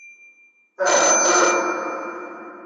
Aha, tter!